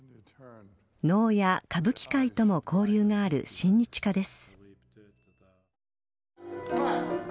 能や歌舞伎界とも交流がある親日家です。